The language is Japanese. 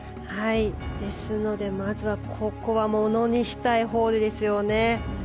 ですので、まずはここはものにしたいホールですよね。